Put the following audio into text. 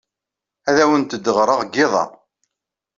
Ad awent-d-ɣreɣ deg yiḍ-a.